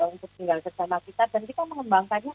untuk tinggal bersama kita dan kita mengembangkannya